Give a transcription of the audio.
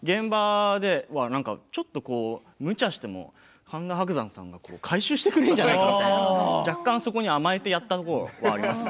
現場でちょっとむちゃしても伯山さんが回収してくれるんじゃないかと若干、甘えてやった感があります。